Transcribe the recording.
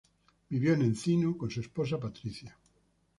Vivió en Encino con su esposa, Patricia.